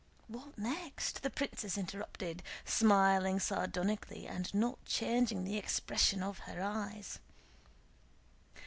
"What next?" the princess interrupted, smiling sardonically and not changing the expression of her eyes.